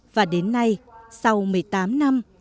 và đến nay sau một mươi tám năm